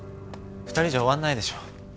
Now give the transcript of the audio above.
２人じゃ終わんないでしょ。